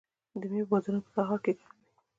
د میوو بازارونه په سهار کې ګرم وي.